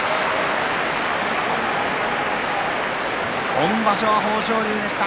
今場所は豊昇龍でした。